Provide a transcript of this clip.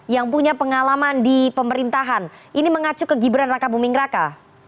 yang punya pengalaman di pemerintahan ini mengacu ke gibran raka buming raka